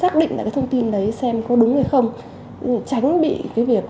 kỹ năng nghề nghiệp